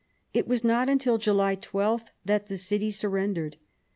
It was not until July 12 that the city sur rendered.